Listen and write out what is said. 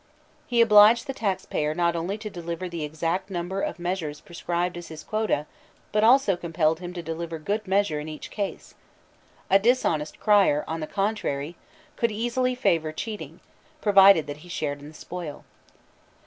] He obliged the taxpayer not only to deliver the exact number of measures prescribed as his quota, but also compelled him to deliver good measure in each case; a dishonest crier, on the contrary, could easily favour cheating, provided that he shared in the spoil.